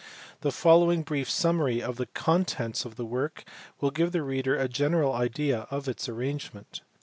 The following brief summary of the contents of the work will give the reader a general idea of its arrangement.